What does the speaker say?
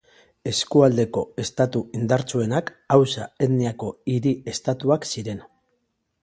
Eskualdeko estatu indartsuenak Hausa etniako hiri estatuak ziren.